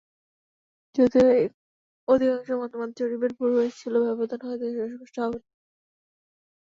যদিও অধিকাংশ মতামত জরিপের পূর্বাভাস ছিল, ব্যবধান হয়তো সুস্পষ্ট হবে না।